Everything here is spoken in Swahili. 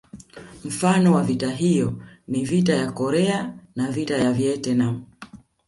Mifano ya vita hivyo ni Vita ya Korea na Vita ya Vietnam